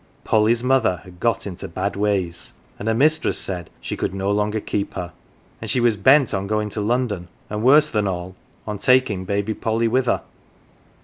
Polly's mother had got into bad ways, and her mistress said she could no longer keep her, and she 34 GAFFER'S CHILD was bent on going to London, and, worse than all, on taking Baby Polly with her.